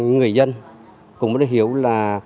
người dân cũng hiểu là